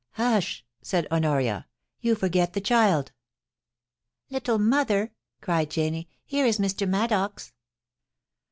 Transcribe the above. * Hush !' said Honoria. * You forget the child !'* Little mother,' cried Janie. * Here is Mr. Maddox.'